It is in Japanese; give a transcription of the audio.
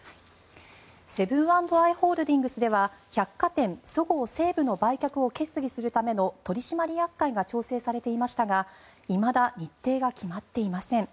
セブン＆アイ・ホールディングスでは百貨店、そごう・西武の売却を決議するための取締役会が調整されていましたがいまだ日程が決まっていません。